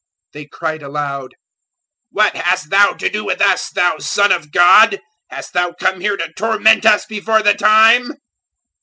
008:029 They cried aloud, "What hast Thou to do with us, Thou Son of God? Hast Thou come here to torment us before the time?"